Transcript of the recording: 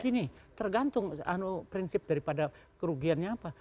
gini tergantung prinsip daripada kerugiannya apa